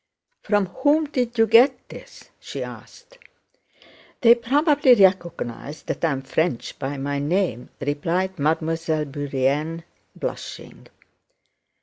"From whom did you get this?" she asked. "They probably recognized that I am French, by my name," replied Mademoiselle Bourienne blushing.